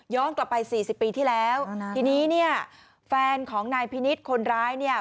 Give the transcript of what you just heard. กลับไปสี่สิบปีที่แล้วทีนี้เนี่ยแฟนของนายพินิษฐ์คนร้ายเนี่ย